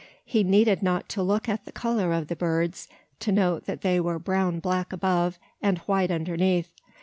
He needed not to look at the colour of the birds, to note that they were brown black above, and white underneath.